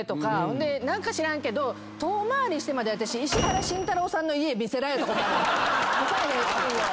で何か知らんけど遠回りしてまで石原慎太郎さんの家見せられたことあるんですよ。